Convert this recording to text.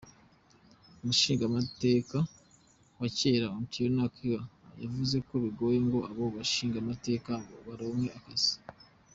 Umushingamateka wa kera Othieno Akika, yavuze ko bigoye ngo abo bashingamateka baronke akazi.